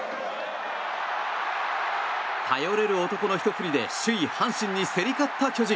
頼れる男のひと振りで首位阪神に競り勝った巨人。